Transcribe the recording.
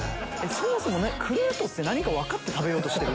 そもそもクルートって何か分かって食べようとしてる？